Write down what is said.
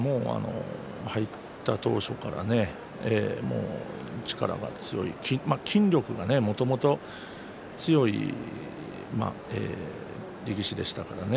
入った当初から力が強い、筋力がもともと強い力士でしたからね。